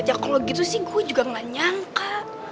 ya kalau gitu sih gue juga gak nyangka